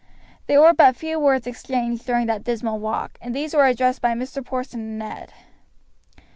There were but few words exchanged during that dismal walk, and these were addressed by Mr. Porson to Ned.